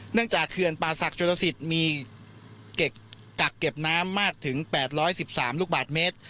จากเขื่อนป่าศักดิลสิตมีกักเก็บน้ำมากถึง๘๑๓ลูกบาทเมตร